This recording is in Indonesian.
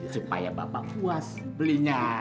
supaya bapak puas belinya